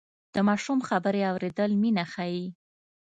د ماشوم خبرې اورېدل مینه ښيي.